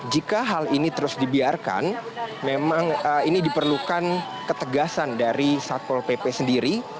jika hal ini terus dibiarkan memang ini diperlukan ketegasan dari satpol pp sendiri